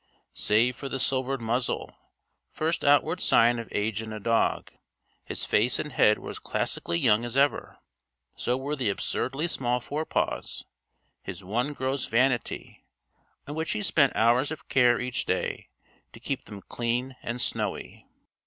Save for the silvered muzzle first outward sign of age in a dog his face and head were as classically young as ever. So were the absurdly small fore paws his one gross vanity on which he spent hours of care each day, to keep them clean and snowy.